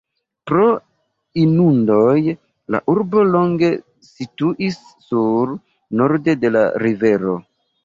Pro inundoj, la urbo longe situis nur norde de la rivero.